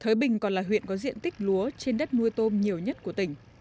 thới bình còn là huyện có diện tích lúa trên đất nuôi tôm nhiều nhất của tỉnh